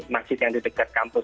masjid yang di dekat kampus